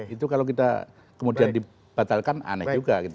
itu kalau kita kemudian dibatalkan aneh juga gitu